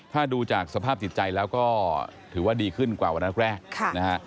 ถ้าดูจากสภาพจิตใจแล้วก็ถือว่าดีขึ้นกว่าวันแรกนะฮะ